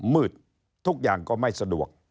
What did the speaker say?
มืดทุกอย่างก็ไม่สะดวก